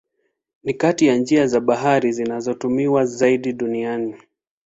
Ni kati ya njia za bahari zinazotumiwa zaidi duniani.